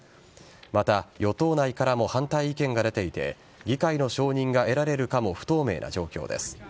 また、与党内からも反対意見が出ていて議会の承認が得られるかも不透明な状況です。